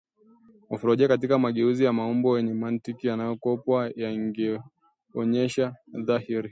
mofolojia katika mageuzi ya maumbo yenye mantiki yanayokopwa yameonyeshwa dhahiri